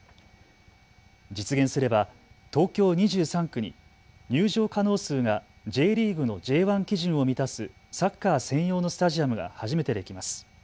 実現すれば東京２３区に入場可能数がＪリーグのＪ１基準を満たすサッカー専用のスタジアムが初めてできます。